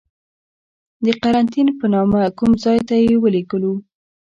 د قرنتین په نامه کوم ځای ته یې ولیږلو.